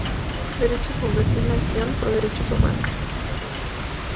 Derechos Fundación Acción Pro Derechos Humanos.